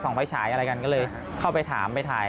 ไฟฉายอะไรกันก็เลยเข้าไปถามไปถ่าย